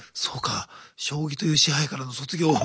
そうか将棋という支配からの卒業。